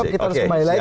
kita harus kembali lagi